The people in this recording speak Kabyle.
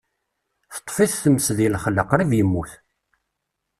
Teṭṭef-it tmes deg lexla, qrib yemmut.